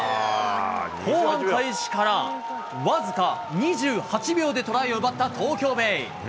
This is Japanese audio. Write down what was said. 後半開始から僅か２８秒でトライを奪った東京ベイ。